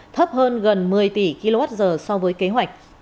thấp hơn gần một mươi tỷ kwh so với kế hoạch